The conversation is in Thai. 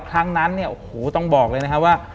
ครั้งนั้นต้องบอกเลยนะครับว่า